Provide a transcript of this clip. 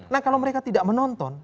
nah kalau mereka tidak menonton